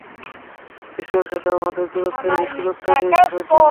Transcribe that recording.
ঈশ্বরের সাথে আমাদের দূরত্বের এই সুযোগটাই নিয়েছে শয়তান!